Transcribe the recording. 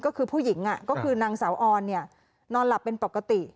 ก็คือผู้หญิงก็คือนางสาวออนนอนหลับเป็นปกติ